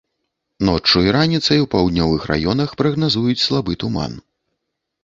Ноччу і раніцай у паўднёвых раёнах прагназуюць слабы туман.